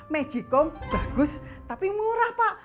megikom bagus tapi murah pak